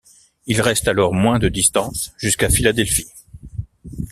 Il reste alors moins de distance jusqu'à Philadelphie.